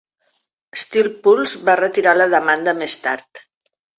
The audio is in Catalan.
Steel Pulse va retirar la demanda més tard.